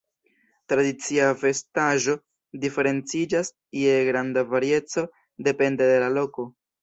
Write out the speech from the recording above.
Tradicia vestaĵo diferenciĝas je granda varieco depende de la loko.